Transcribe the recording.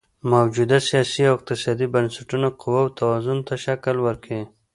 موجوده سیاسي او اقتصادي بنسټونه قواوو توازن ته شکل ورکوي.